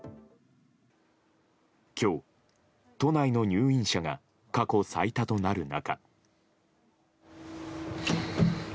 今日、都内の入院者が過去最多となる中。